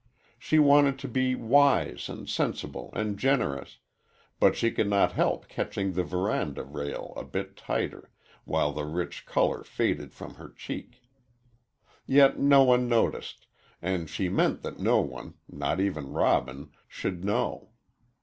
She wanted to be wise and sensible and generous, but she could not help catching the veranda rail a bit tighter, while the rich color faded from her cheek. Yet no one noticed, and she meant that no one, not even Robin, should know.